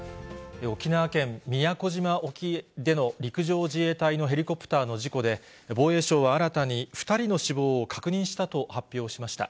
沖縄県宮古島沖での陸上自衛隊のヘリコプターの事故で、防衛省は新たに２人の死亡を確認したと発表しました。